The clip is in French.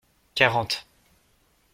Quarante.